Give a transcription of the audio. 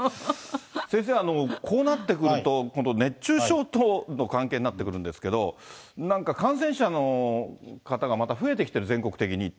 先生、こうなってくると、本当、熱中症との関係になってくるんですけど、なんか感染者の方がまた増えてきている、全国的に。